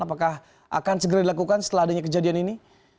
apakah akan segera dilakukan setelah adanya kejadian ini